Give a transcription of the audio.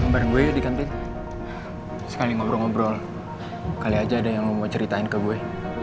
kemarin gue di kantin sekali ngobrol ngobrol kali aja ada yang mau ceritain ke gue